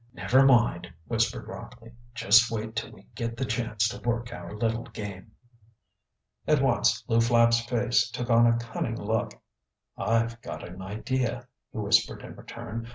"Never mind," whispered Rockley. "Just wait till we get the chance to work our little game." At once Lew Flapp's face took on a cunning look. "I've got an idea," he whispered in return.